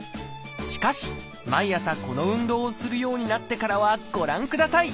しかし毎朝この運動をするようになってからはご覧ください！